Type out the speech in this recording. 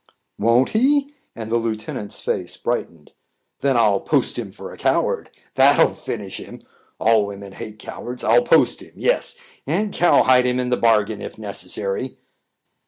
"Won't he?" and the lieutenant's face brightened. "Then I'll post him for a coward; that'll finish him. All women hate cowards. I'll post him yes, and cowhide him in the bargain, if necessary."